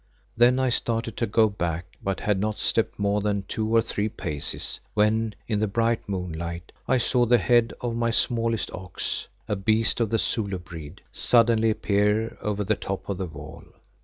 Then I started to go back but had not stepped more than two or three paces when, in the bright moonlight, I saw the head of my smallest ox, a beast of the Zulu breed, suddenly appear over the top of the wall.